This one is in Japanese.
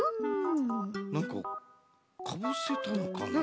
なんかかぶせたのかな？